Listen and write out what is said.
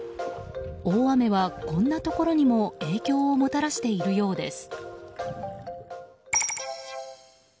大雨は、こんなところにも影響をもたらしているようです。